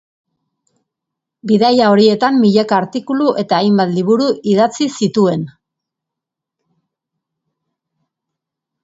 Bidaia horietan milaka artikulu eta hainbat liburu idatzi zituen.